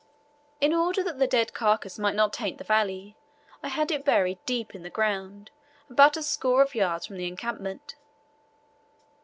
In order that the dead carcase might not taint the valley, I had it buried deep in the ground, about a score of yards from the encampment.